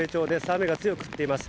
雨が強く降っています。